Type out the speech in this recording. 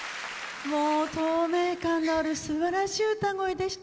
透明感のあるすばらしい歌声でした。